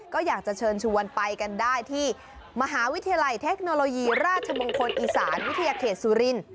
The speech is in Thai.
ก็อยากจะเชิญชวนไปกันได้ที่มหาวิทยาลัยเทคโนโลยีราชมงคลอีสานวิทยาเขตสุรินทร์